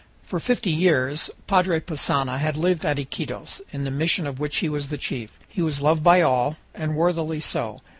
For fifty years Padre Passanha had lived at Iquitos, in the mission of which he was the chief. He was loved by all, and worthily so.